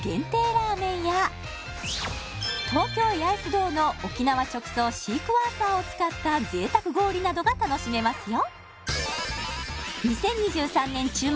ラーメンやの沖縄直送シークワーサーを使った贅沢氷などが楽しめますよ